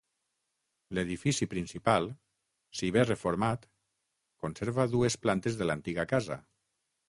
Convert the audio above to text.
L'edifici principal, si bé reformat, conserva dues plantes de l'antiga casa.